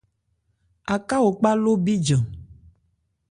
Aká o kpá ló bíjan.